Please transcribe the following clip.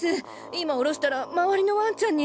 今おろしたら周りのワンちゃんに。